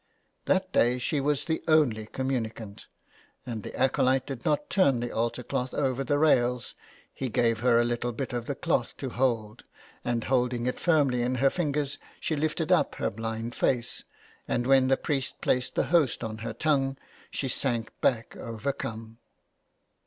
That day she was the only communicant, and the acolyte did not turn the altar cloth over the rails, he gave her a little bit of the cloth to hold, and, holding it firmly in her fingers, she lifted up her blind face, and when the priest placed the Host on her tongue she sank back over come.